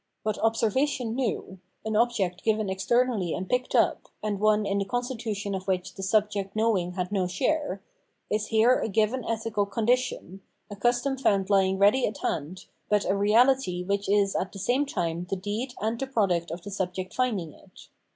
What Observation knew, — an object given externally and picked up, and one in the constitution of which the sub ject knowing had no share, — is here a given ethical con dition, a custom found lying ready at hand, but a reality which is at the same time the deed and the product of the subject finding it.